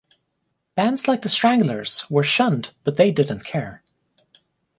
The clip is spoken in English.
Bands like The Stranglers were shunned but they didn't care.